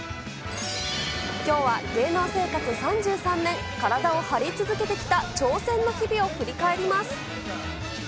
きょうは芸能生活３３年、体を張り続けてきた挑戦の日々を振り返ります。